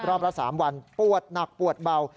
รอบละ๓วันปวดหนักปวดเบา